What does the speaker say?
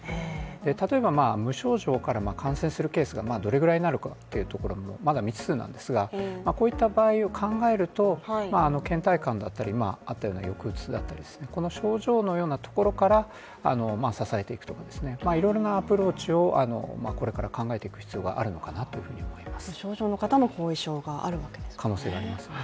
例えば無症状から感染するケースがどれくらいになるかというところもまだ未知数なんですが、こういった場合を考えるとけん怠感だったり、抑うつだったりとかこの症状のようなところから支えていくといういろいろなアプローチをこれから考えていく必要があるかと思います。